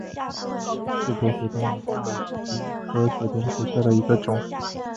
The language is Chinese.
刺果血桐为大戟科血桐属下的一个种。